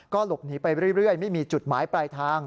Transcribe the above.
หลบหนีไปเรื่อยไม่มีจุดหมายปลายทาง